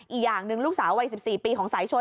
อีกอย่างหนึ่งลูกสาววัย๑๔ปีของสายชน